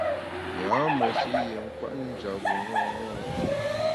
Yâ meshi’ yin kwet njap bu ṅaṅâ.